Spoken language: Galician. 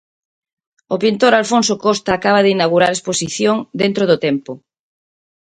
O pintor Alfonso Costa acaba de inaugurar a exposición 'Dentro do tempo'.